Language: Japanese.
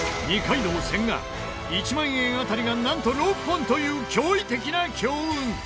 二階堂、千賀１万円当たりがなんと６本という驚異的な強運！